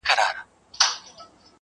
ډېري خزانې لرو الماس لرو په غرونو کي-